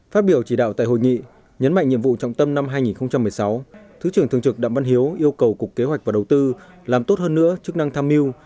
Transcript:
phát biểu chỉ đạo tại hội nghị nhấn mạnh nhiệm vụ trọng tâm năm hai nghìn một mươi sáu thứ trưởng thường trực đặng văn hiếu yêu cầu cục kế hoạch và đầu tư làm tốt hơn nữa chức năng tham mưu